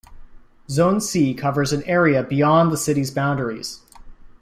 Zone C covers an area beyond the city boundaries.